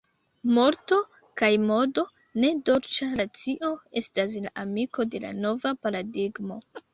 Morto kaj modo, ne dolĉa racio, estas la amiko de la nova paradigmo.